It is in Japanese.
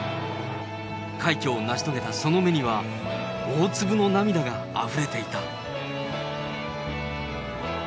快挙を成し遂げたその目には、大粒の涙があふれていた。